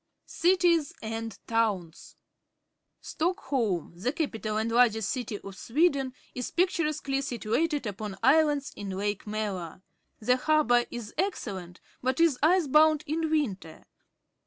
Cities and Towns. — Stockholm, the cap ital and largest city of Sweden, is pictu resquely situated upon islands in Lake Malar. The harbour is excellent, but is ice bound in winter.